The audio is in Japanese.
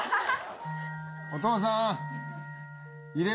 お父さん！